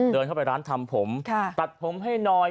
เดินเข้าไปร้านทำผมตัดผมให้หน่อย